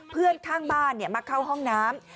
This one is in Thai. เพื่อนข้างบ้านมาเข้าห้องน้ำ